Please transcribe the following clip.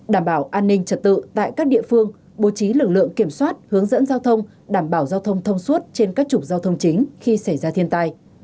đảm bảo an ninh trật tự tại các địa phương bố trí lực lượng kiểm soát hướng dẫn giao thông đảm bảo giao thông thông suốt trên các trục giao thông chính khi xảy ra thiên tai